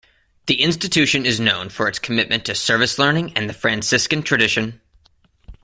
The institution is known for its commitment to service learning and the Franciscan tradition.